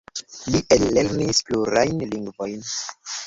Li ellernis plurajn lingvojn.